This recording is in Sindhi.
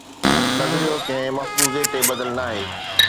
نظريو ڪنهن مفروضي تي ٻڌل ناهي